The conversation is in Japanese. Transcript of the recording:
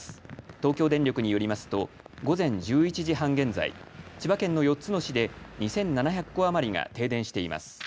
東京電力によりますと午前１１時半現在千葉県の４つの市で２７００戸余りが停電しています。